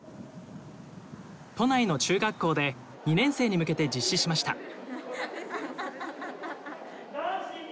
都内の中学校で２年生に向けて実施しました。